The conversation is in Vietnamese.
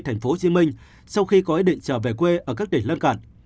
thành phố hồ chí minh sau khi có ý định trở về quê ở các tỉnh lân cận